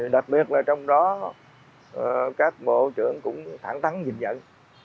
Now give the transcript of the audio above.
đặc biệt là trong đó các bộ trưởng cũng thẳng thắng nhìn nhận